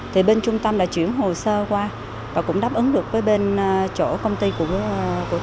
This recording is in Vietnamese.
thì bên trung tâm đã chuyển hồ sơ qua và cũng đáp ứng được với bên chỗ công ty của